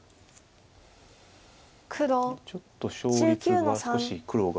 ちょっと勝率が少し黒が。